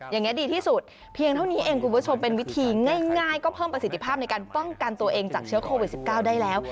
อย่างนี้ดีที่สุดเพียงเท่านี้เองคุณผู้ชมเป็นวิธีง่ายก็เพิ่มประสิทธิภาพในการป้องกันตัวเองจากเชื้อโควิด๑๙ได้แล้ว